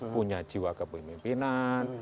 punya jiwa kepemimpinan